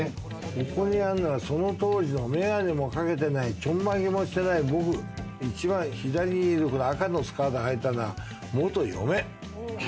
ここにあるのはその当時の眼鏡もかけてない、ちょんまげもしてない、僕、一番左にいる赤のスカート履いたのは、元嫁。